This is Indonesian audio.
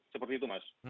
seperti itu mas